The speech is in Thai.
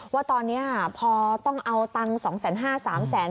ว่าตอนนี้พอต้องเอาตังค์สองแสนห้าสามแสน